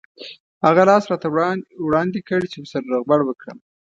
هغه لاس راته وړاندې کړ چې ورسره روغبړ وکړم.